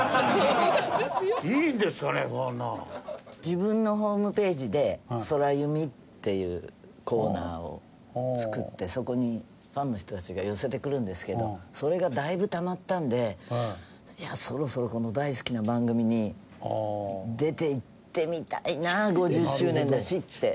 自分のホームページで空ユミっていうコーナーを作ってそこにファンの人たちが寄せてくるんですけどそれがだいぶたまったのでそろそろこの大好きな番組に出ていってみたいな５０周年だしって。